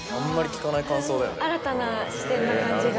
新たな視点な感じが。